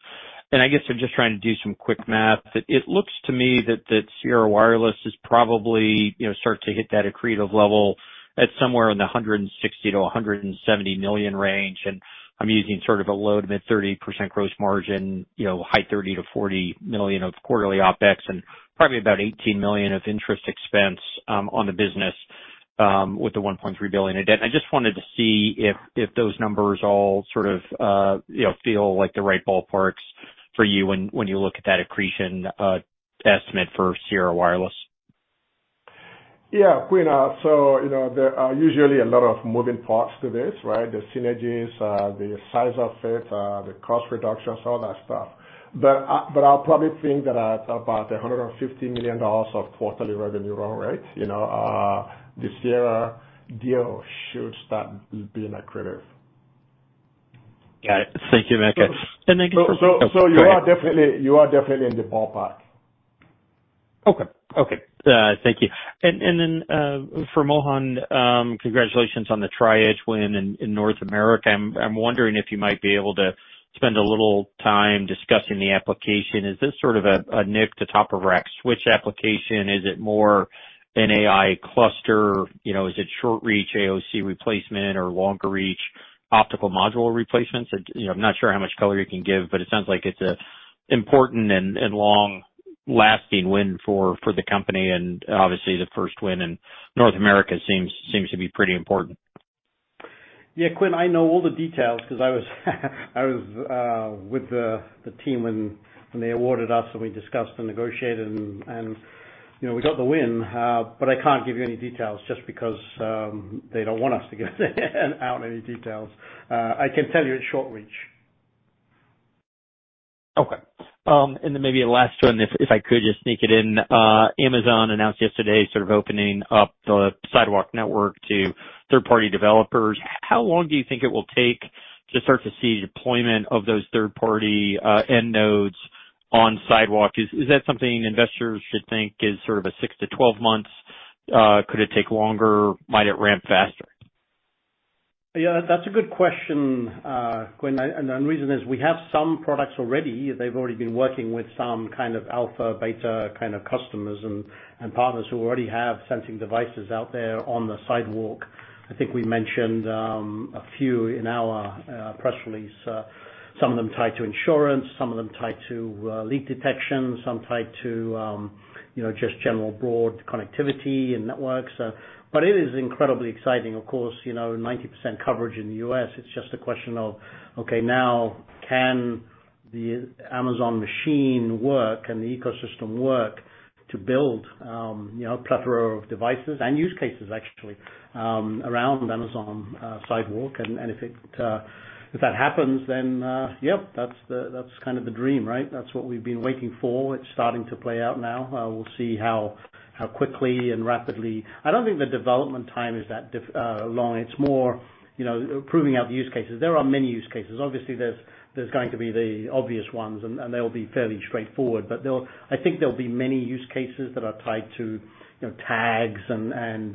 I guess I'm just trying to do some quick math. It looks to me that Sierra Wireless is probably, you know, starting to hit that accretive level at somewhere in the $160 million-$170 million range. I'm using sort of a low to mid 30% gross margin, you know, $30 million-$40 million of quarterly OpEx, and probably about $18 million of interest expense, on the business, with the $1.3 billion in debt. I just wanted to see if those numbers all sort of, you know, feel like the right ballparks for you when you look at that accretion estimate for Sierra Wireless. Quinn, you know, there are usually a lot of moving parts to this, right? The synergies, the size of it, the cost reductions, all that stuff. I'll probably think that at about $150 million of quarterly revenue run rate, you know, the Sierra deal should start being accretive. Got it. Thank you, Emeka. I guess So you are definitely in the ballpark. Okay. Okay. Thank you. For Mohan, congratulations on the Tri-Edge win in North America. I'm wondering if you might be able to spend a little time discussing the application. Is this sort of a NIC-to-top-of-rack switch application? Is it more an AI cluster? You know, is it short reach AOC replacement or longer reach optical module replacements? You know, I'm not sure how much color you can give, but it sounds like it's a important and long lasting win for the company and obviously the first win in North America seems to be pretty important. Yeah, Quinn, I know all the details 'cause I was with the team when they awarded us and we discussed and negotiated and, you know, we got the win. I can't give you any details just because they don't want us to give out any details. I can tell you it's short reach. Okay. Then maybe a last one if I could just sneak it in. Amazon announced yesterday sort of opening up the Sidewalk network to third-party developers. How long do you think it will take to start to see deployment of those third-party end nodes on Sidewalk? Is that something investors should think is sort of a six to 12 months? Could it take longer? Might it ramp faster? Yeah, that's a good question, Quinn. The reason is we have some products already. They've already been working with some kind of alpha/beta kind of customers and partners who already have sensing devices out there on the sidewalk. I think we mentioned a few in our press release. Some of them tied to insurance, some of them tied to leak detection, some tied to, you know, just general broad connectivity and networks. It is incredibly exciting. Of course, you know, 90% coverage in the U.S., it's just a question of, okay, now can...The Amazon machine work and the ecosystem work to build, you know, a plethora of devices and use cases actually around Amazon Sidewalk. If it, if that happens, then, yep, that's the, that's kind of the dream, right? That's what we've been waiting for. It's starting to play out now. We'll see how quickly and rapidly. I don't think the development time is that long. It's more, you know, proving out the use cases. There are many use cases. Obviously, there's going to be the obvious ones, and they'll be fairly straightforward. I think there'll be many use cases that are tied to, you know, tags and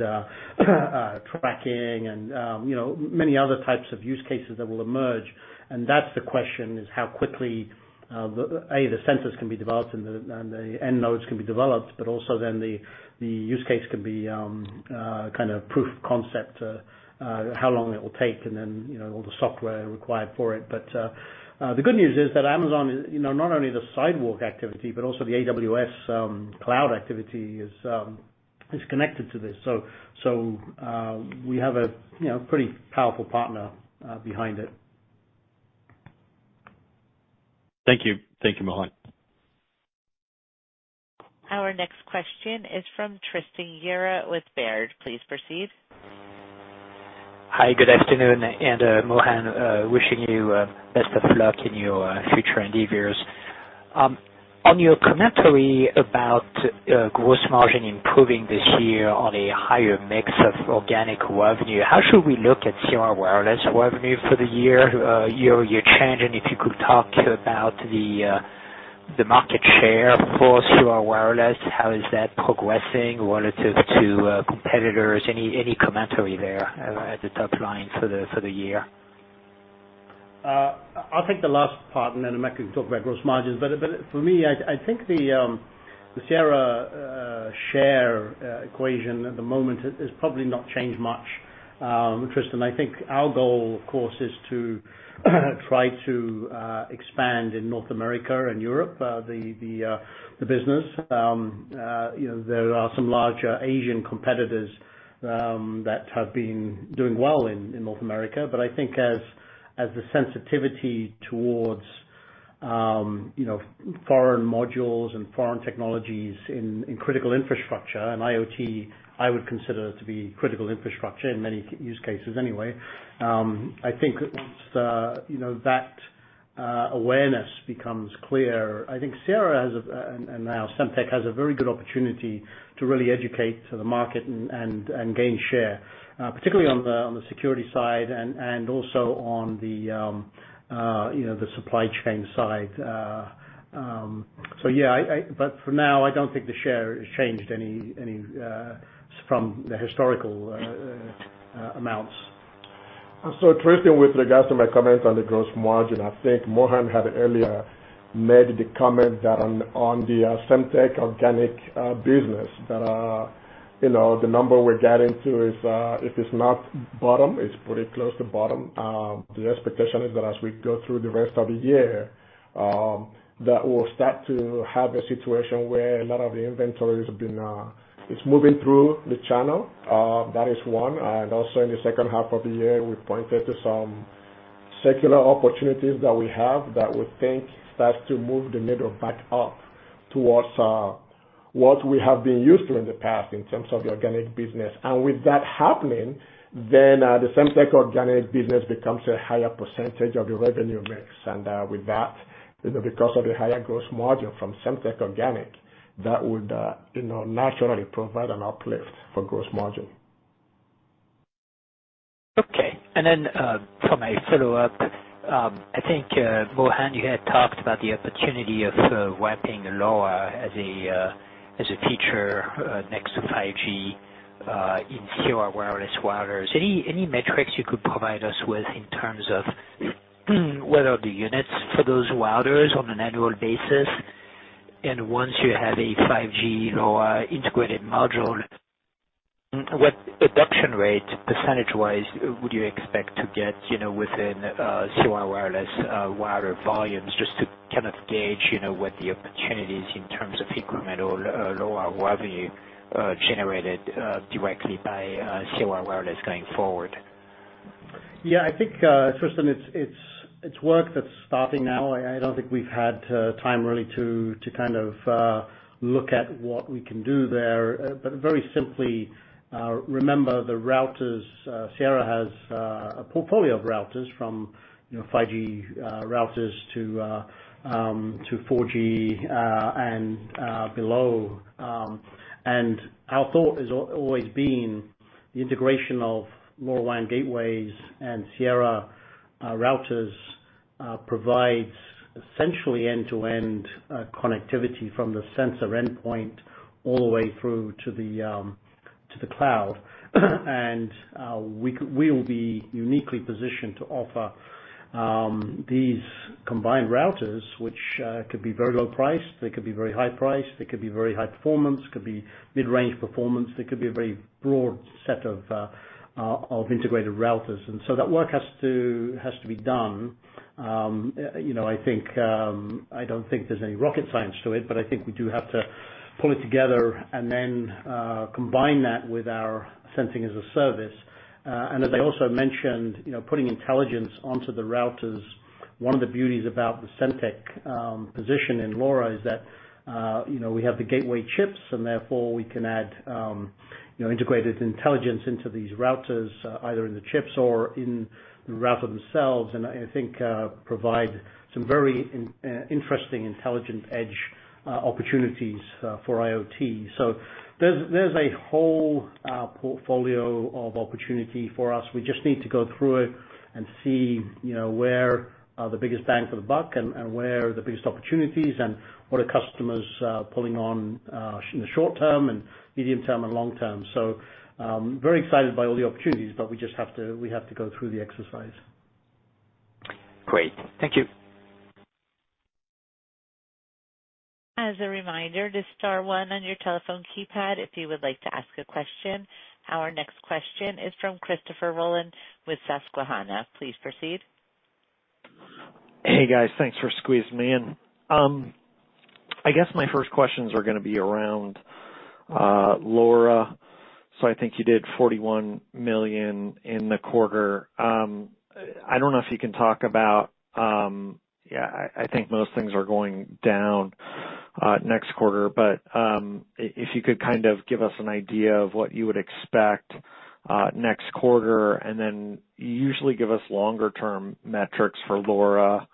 tracking and, you know, many other types of use cases that will emerge. That's the question, is how quickly the sensors can be developed and the end nodes can be developed, but also then the use case can be kind of proof of concept, how long it will take and then, you know, all the software required for it. The good news is that Amazon is, you know, not only the Sidewalk activity, but also the AWS cloud activity is connected to this. We have a, you know, pretty powerful partner behind it. Thank you. Thank you, Mohan. Our next question is from Tristan Gerra with Baird. Please proceed. Hi. Good afternoon. Mohan, wishing you best of luck in your future endeavors. On your commentary about gross margin improving this year on a higher mix of organic revenue, how should we look at Sierra Wireless revenue for the year change? If you could talk about the market share for Sierra Wireless, how is that progressing relative to competitors? Any commentary there at the top line for the year? I'll take the last part, and then Emeka can talk about gross margins. For me, I think the Sierra share equation at the moment has probably not changed much, Tristan. I think our goal, of course, is to try to expand in North America and Europe, the business. You know, there are some larger Asian competitors that have been doing well in North America. I think as the sensitivity towards, you know, foreign modules and foreign technologies in critical infrastructure, and IoT I would consider to be critical infrastructure in many use cases anyway, I think once, you know, that awareness becomes clear, I think Sierra has a, and now Semtech has a very good opportunity to really educate the market and gain share, particularly on the security side and also on the, you know, the supply chain side. Yeah, I. For now, I don't think the share has changed any from the historical amounts. Tristan, with regards to my comments on the gross margin, I think Mohan had earlier made the comment that on the Semtech Organic business, that, you know, the number we're getting to is, if it's not bottom, it's pretty close to bottom. The expectation is that as we go through the rest of the year, that we'll start to have a situation where a lot of the inventory has been, it's moving through the channel. That is one. Also in the second half of the year, we pointed to some secular opportunities that we have that we think starts to move the needle back up towards, what we have been used to in the past in terms of the organic business. With that happening, then, the Semtech Organic business becomes a higher percentage of the revenue mix. With that, you know, because of the higher gross margin from Semtech Organic, that would, you know, naturally provide an uplift for gross margin. Okay. Then, for my follow-up, I think Mohan, you had talked about the opportunity of wrapping LoRa as a feature next to 5G in Sierra Wireless routers. Any metrics you could provide us with in terms of what are the units for those routers on an annual basis? Once you have a 5G LoRa integrated module, what adoption rate percentage-wise would you expect to get, you know, within Sierra Wireless router volumes, just to kind of gauge, you know, what the opportunity is in terms of incremental LoRa revenue generated directly by Sierra Wireless going forward? Yeah. I think, Tristan, it's work that's starting now. I don't think we've had time really to kind of, look at what we can do there. Very simply, remember the routers, Sierra has a portfolio of routers from, you know, 5G routers to 4G and below. Our thought has always been the integration of LoRaWAN gateways and Sierra routers provides essentially end-to-end connectivity from the sensor endpoint all the way through to the cloud. We will be uniquely positioned to offer these combined routers, which could be very low priced, they could be very high priced, they could be very high performance, could be mid-range performance. They could be a very broad set of integrated routers. That work has to be done. You know, I think, I don't think there's any rocket science to it, but I think we do have to pull it together and then combine that with our Sensing as a Service. As I also mentioned, you know, putting intelligence onto the routers. One of the beauties about the Semtech position in LoRa is that, you know, we have the gateway chips, and therefore we can add, you know, integrated intelligence into these routers, either in the chips or in the router themselves, and I think provide some very interesting intelligent edge opportunities for IoT. There's a whole portfolio of opportunity for us. We just need to go through it and see, you know, where are the biggest bangs for the buck and where are the biggest opportunities and what are customers, pulling on, in the short term and medium-term and long term. Very excited by all the opportunities, but we just have to go through the exercise. Great. Thank you. As a reminder to star one on your telephone keypad if you would like to ask a question. Our next question is from Christopher Rolland with Susquehanna. Please proceed. Hey, guys. Thanks for squeezing me in. I guess my first questions are gonna be around LoRa. I think you did $41 million in the quarter. I don't know if you can talk about, yeah, I think those things are going down next quarter. If you could kind of give us an idea of what you would expect next quarter, and then you usually give us longer term metrics for LoRa.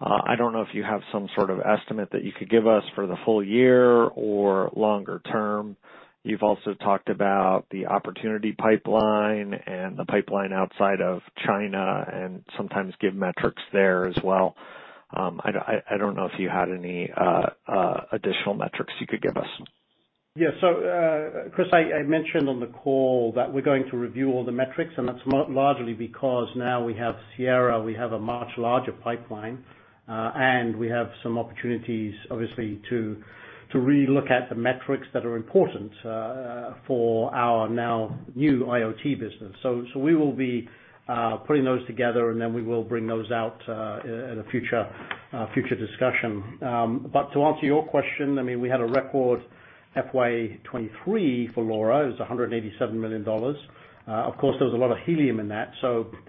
I don't know if you have some sort of estimate that you could give us for the full year or longer term. You've also talked about the opportunity pipeline and the pipeline outside of China and sometimes give metrics there as well. I don't know if you had any additional metrics you could give us. Yeah. Chris, I mentioned on the call that we're going to review all the metrics, and that's largely because now we have Sierra, we have a much larger pipeline, and we have some opportunities, obviously, to re-look at the metrics that are important for our now new IoT business. We will be putting those together, and we will bring those out at a future future discussion. To answer your question, I mean, we had a record FY 2023 for LoRa. It was $187 million. Of course, there was a lot of Helium in that.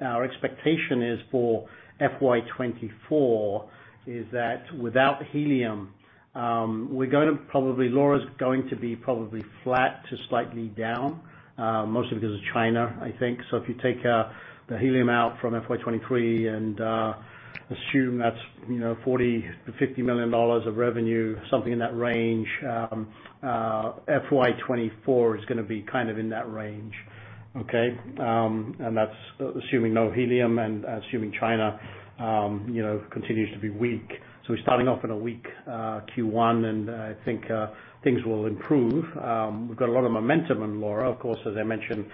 Our expectation is for FY 2024 is that without Helium, LoRa is going to be probably flat to slightly down, mostly because of China, I think. If you take the Helium out from FY 2023 and assume that's, you know, $40 million-$50 million of revenue, something in that range, FY 2024 is gonna be kind of in that range. Okay? And that's assuming no Helium and assuming China, you know, continues to be weak. We're starting off in a weak Q1, and I think things will improve. We've got a lot of momentum on LoRa. Of course, as I mentioned,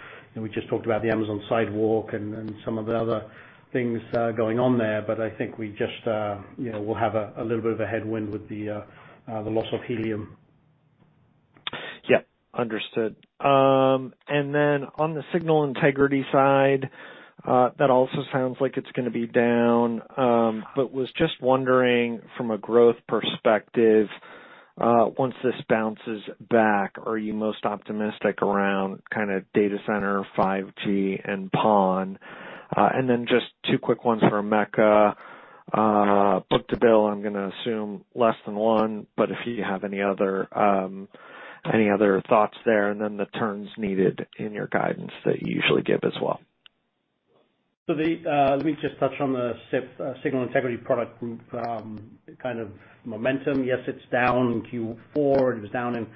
we just talked about the Amazon Sidewalk and some of the other things going on there. I think we just, you know, we'll have a little bit of a headwind with the loss of Helium. Yeah. Understood. On the signal integrity side, that also sounds like it's gonna be down. Was just wondering from a growth perspective, once this bounces back, are you most optimistic around data center, 5G and PON? Just two quick ones for Emeka. Book-to-bill, I'm gonna assume less than one, but if you have any other, any other thoughts there, and then the turns needed in your guidance that you usually give as well. Let me just touch on the SIP, Signal Integrity Product group, kind of momentum. Yes, it's down in Q4. It was down in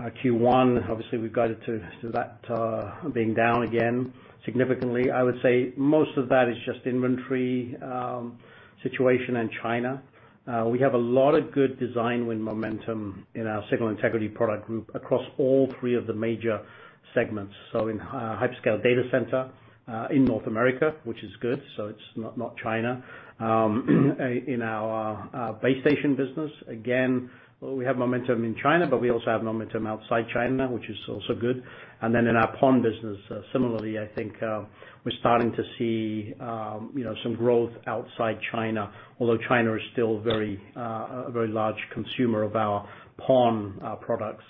Q1. Obviously, we've got it to that, being down again significantly. I would say most of that is just inventory situation in China. We have a lot of good design win momentum in our Signal Integrity Product group across all three of the major segments. In hyperscale data center, in North America, which is good. It's not China. In our base station business, again, we have momentum in China, but we also have momentum outside China, which is also good. Then in our PON business, similarly, I think, we're starting to see, you know, some growth outside China, although China is still very, a very large consumer of our PON products.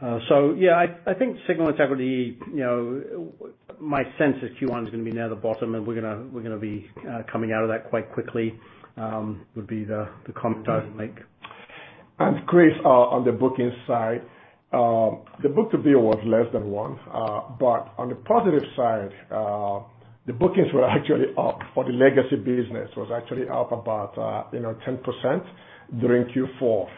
So yeah, I think signal integrity, you know, my sense is Q1 is gonna be near the bottom, and we're gonna be coming out of that quite quickly, would be the comment I would make. Chris, on the booking side, the book-to-bill was less than one. On the positive side, the bookings were actually up for the legacy business. Was actually up about, you know, 10% during Q4.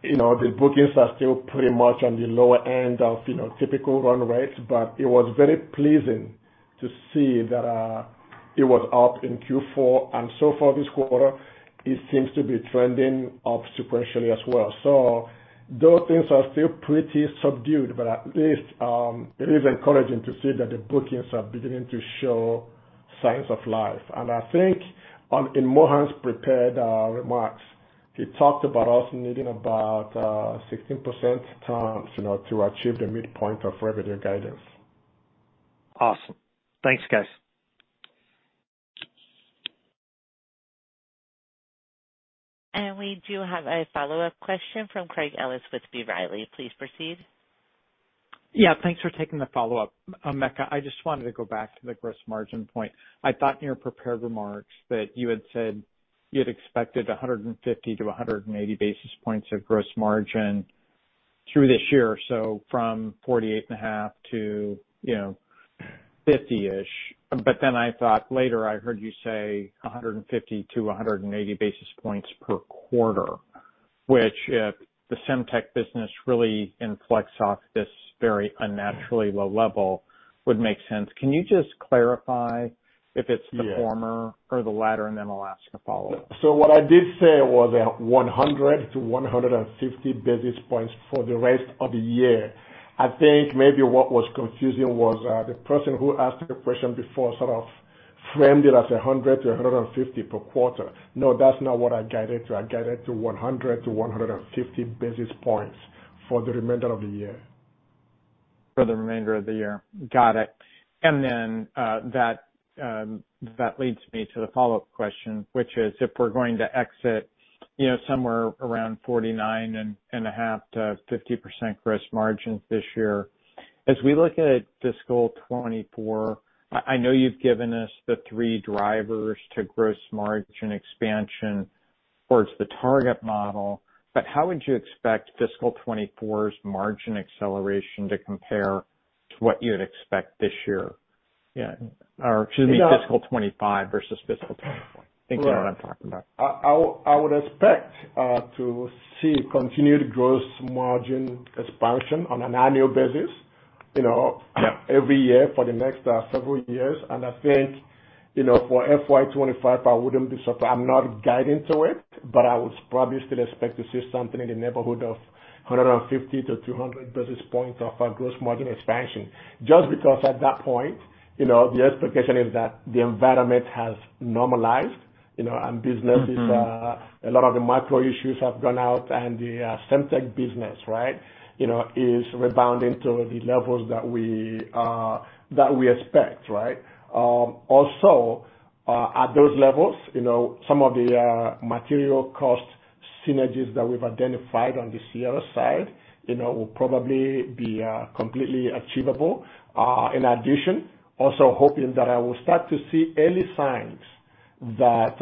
The bookings are still pretty much on the lower end of, you know, typical run rates, but it was very pleasing to see that it was up in Q4 and so far this quarter it seems to be trending up sequentially as well. Those things are still pretty subdued, but at least it is encouraging to see that the bookings are beginning to show signs of life. I think in Mohan's prepared remarks, he talked about us needing about 16% turns, you know, to achieve the midpoint of revenue guidance. Awesome. Thanks, guys. We do have a follow-up question from Craig Ellis with B. Riley. Please proceed. Yeah. Thanks for taking the follow-up. Emeka, I just wanted to go back to the gross margin point. I thought in your prepared remarks that you had said you had expected 150 to 180 basis points of gross margin through this year, so from 48.5 to, you know, 50-ish. I thought later I heard you say 150 to 180 basis points per quarter, which if the Semtech business really influx off this very unnaturally low level would make sense. Can you just clarify if it's the former or the latter? I'll ask a follow-up. What I did say was, 100 to 150 basis points for the rest of the year. I think maybe what was confusing was, the person who asked the question before sort of framed it as 100 to 150 per quarter. That's not what I guided to. I guided to 100 to 150 basis points for the remainder of the year. For the remainder of the year. Got it. That leads me to the follow-up question, which is, if we're going to exit, you know, somewhere around 49.5%-50% gross margins this year, as we look at fiscal 2024, I know you've given us the three drivers to gross margin expansion towards the target model, how would you expect fiscal 2024's margin acceleration to compare to what you would expect this year? Yeah. Excuse me, fiscal 2025 versus fiscal 2024. Think that's what I'm talking about. I would expect to see continued gross margin expansion on an annual basis, you know, every year for the next several years. I think, you know, for FY 2025, I wouldn't be surprised. I'm not guiding to it, but I would probably still expect to see something in the neighborhood of 150 to 200 basis points of our gross margin expansion. Just because at that point, you know, the expectation is that the environment has normalized, you know, and business is, a lot of the macro issues have gone out. The Semtech business, right, you know, is rebounding to the levels that we expect, right. Also, at those levels, you know, some of the material cost synergies that we've identified on the Sierra side, you know, will probably be completely achievable. In addition, also hoping that I will start to see early signs that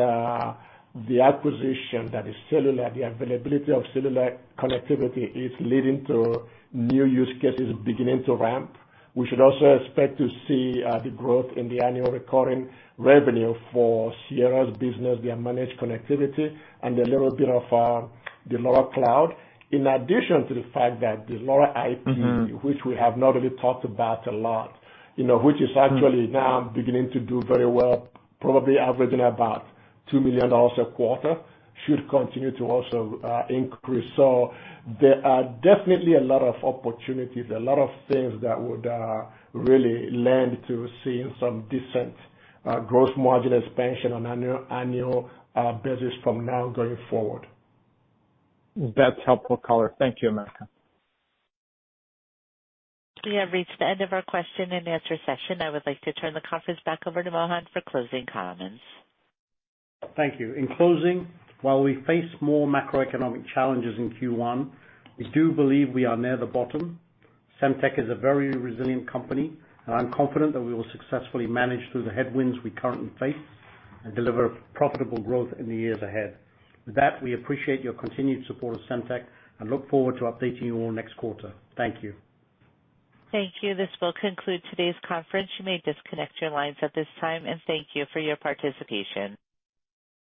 the acquisition that is cellular, the availability of cellular connectivity is leading to new use cases beginning to ramp. We should also expect to see the growth in the annual recurring revenue for Sierra's business, their managed connectivity, and a little bit of the LoRa Cloud. In addition to the fact that the LoRa IP- Mm-hmm. Which we have not really talked about a lot, you know, which is actually now beginning to do very well, probably averaging about $2 million a quarter. Should continue to also increase. There are definitely a lot of opportunities, a lot of things that would really lend to seeing some decent gross margin expansion on annual business from now going forward. That's helpful color. Thank you, Emeka. We have reached the end of our question and answer session. I would like to turn the conference back over to Mohan for closing comments. Thank you. In closing, while we face more macroeconomic challenges in Q1, we do believe we are near the bottom. Semtech is a very resilient company, and I'm confident that we will successfully manage through the headwinds we currently face and deliver profitable growth in the years ahead. With that, we appreciate your continued support of Semtech and look forward to updating you all next quarter. Thank you. Thank you. This will conclude today's conference. You may disconnect your lines at this time, and thank you for your participation.